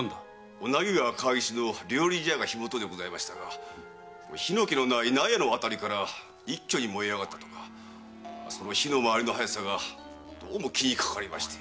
小名木川川岸の料理茶屋が火元でございましたが火の気のない納屋の辺りから一挙に燃え上がっておりその火の回りの早さがどうも気にかかりまして。